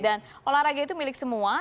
dan olahraga itu milik semua